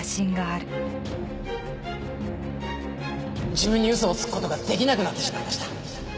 自分に嘘をつく事ができなくなってしまいました。